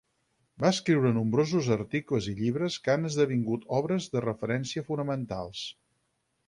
Va escriure nombrosos articles i llibres que han esdevingut obres de referència fonamentals.